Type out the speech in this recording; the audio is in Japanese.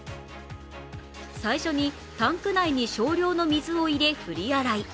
最初にタンク内に少量の水を入れ、振り洗い。